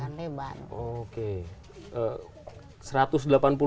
lebar lebar kan lebar